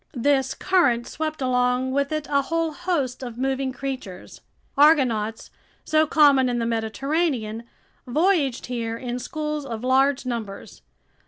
This current swept along with it a whole host of moving creatures. Argonauts, so common in the Mediterranean, voyaged here in schools of large numbers.